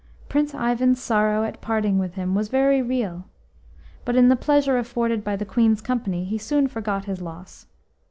RINCE IVAN'S sorrow at parting with him was very real, but in the pleasure afforded by the Queen's company he soon forgot his loss.